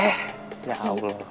eh ya allah